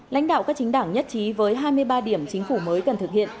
lãnh đạo các chính đảng nhất trí với hai mươi ba điểm chính phủ mới cần thực hiện